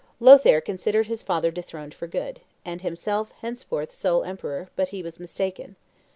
Lothaire considered his father dethroned for good, and himself henceforth sole emperor; but he was mistaken.